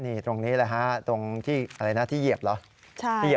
นี่ตรงนี้เลยฮะตรงที่เหยียบเหรอ